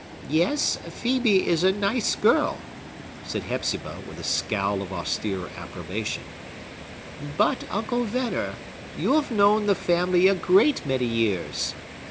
"Yes, Phœbe is a nice girl!" said Hepzibah, with a scowl of austere approbation. "But, Uncle Venner, you have known the family a great many years.